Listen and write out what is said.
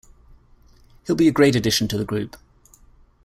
He'll be a great addition to the group.